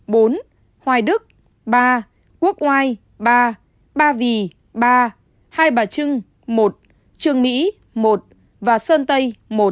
ba đình một mươi ba hai bà trưng một trường mỹ một sơn tây một